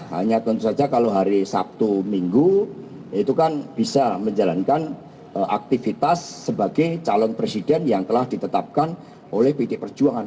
hanya tentu saja kalau hari sabtu minggu itu kan bisa menjalankan aktivitas sebagai calon presiden yang telah ditetapkan oleh pd perjuangan